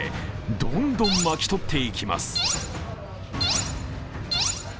どんどん巻き取っていきます。